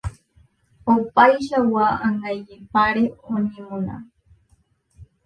Opaichagua ãngaipáre oñemona.